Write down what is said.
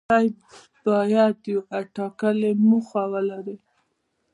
لومړی باید یوه ټاکلې موخه ولري.